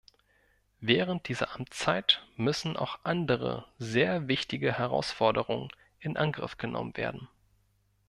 Während dieser Amtszeit müssen auch andere sehr wichtige Herausforderungen in Angriff genommen werden.